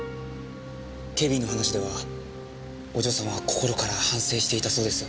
警備員の話ではお嬢さんは心から反省していたそうです。